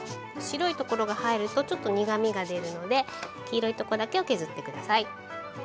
白いところが入るとちょっと苦みが出るので黄色いとこだけを削って下さい。